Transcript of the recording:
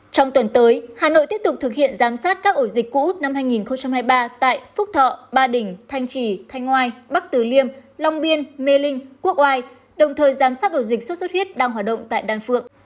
trong tuần tới hà nội tiếp tục thực hiện giám sát các ổ dịch cũ năm hai nghìn hai mươi ba tại phúc thọ ba đình thanh trì thanh oai bắc từ liêm long biên mê linh quốc oai đồng thời giám sát ổ dịch sốt xuất huyết đang hoạt động tại đan phượng